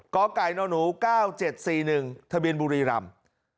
กไก่นหนู๙๗๔๑ทะเบียนบุรีรำ